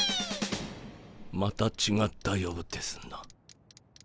またちがったようですな。